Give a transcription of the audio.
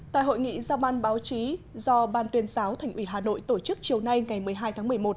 tại hội nghị giao ban báo chí do ban tuyên sáo thành ủy hà nội tổ chức chiều nay ngày một mươi hai tháng một mươi một